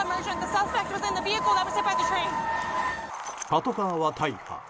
パトカーは大破。